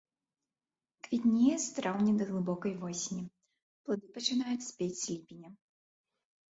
Квітнее з траўня да глыбокай восені, плады пачынаюць спець з ліпеня.